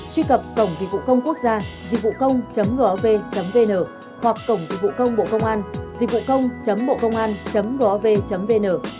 truy cập cổng dịch vụ công quốc gia dịchvucong gov vn hoặc cổng dịch vụ công bộ công an dịchvucong bocongan gov vn